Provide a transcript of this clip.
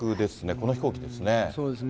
この飛行機ですね。